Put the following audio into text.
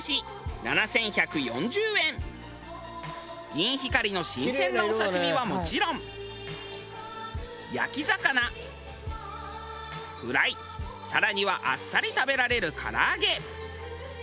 ギンヒカリの新鮮なお刺身はもちろん焼き魚フライ更にはあっさり食べられる唐揚げ。